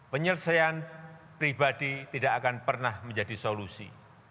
penyelesaian pribadi tidak akan pernah menjadi solusi